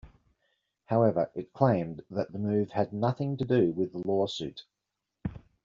However, it claimed that the move had nothing to do with the lawsuit.